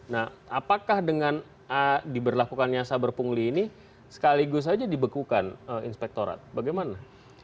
nah apakah dengan diberlakukan nyasa berpungli ini sekaligus saja dibekukan inspektorat bagaimana